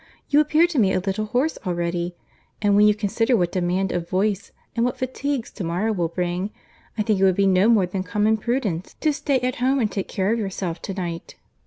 You appear to me a little hoarse already, and when you consider what demand of voice and what fatigues to morrow will bring, I think it would be no more than common prudence to stay at home and take care of yourself to night."